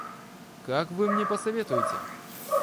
Как вы мне посоветуете?